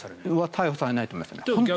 逮捕されないと思います。